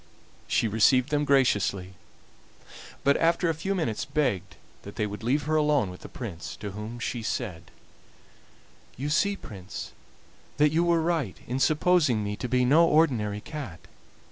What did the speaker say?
She received them graciously, but after a few minutes begged that they would leave her alone with the Prince, to whom she said: "You see, Prince, that you were right in supposing me to be no ordinary cat.